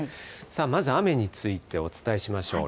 まず雨についてお伝えしましょう。